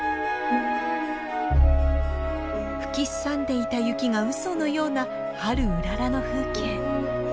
吹きすさんでいた雪がうそのような春うららの風景。